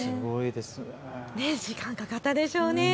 時間かかったでしょうね。